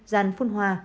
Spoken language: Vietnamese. giàn phun hoa